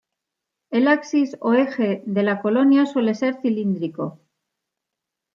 El axis, o eje, de la colonia suele ser cilíndrico.